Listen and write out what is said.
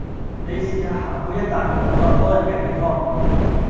你試吓行去一笪冇咁多人嘅地方